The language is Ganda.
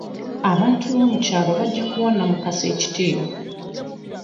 Abantu boomukyalo bajja kuwa Namukasa ekitiibwa.